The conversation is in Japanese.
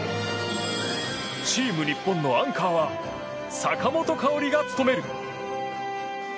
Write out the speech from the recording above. チーム日本のアンカーは坂本花織が務める。